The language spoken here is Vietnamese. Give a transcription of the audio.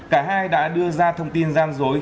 cả hai đã đưa ra thông tin gian dối